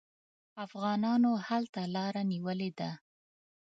افغانانو هلته لاره نیولې ده.